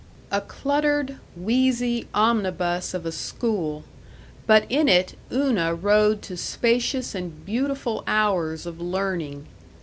A cluttered, wheezy omnibus of a school, but in it Una rode to spacious and beautiful hours of learning.